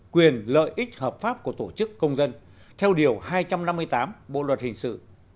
xâm phạm của tổ chức công dân theo điều hai trăm năm mươi tám bộ luật hình sự